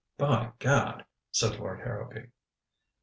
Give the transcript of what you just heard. "By gad," said Lord Harrowby.